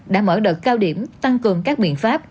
đã mở đợt cao điểm tăng cường các biện pháp